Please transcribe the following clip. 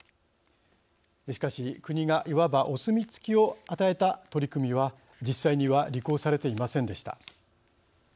しかし国がいわばお墨付きを与えた取り組みは実際には履行されていませんでした。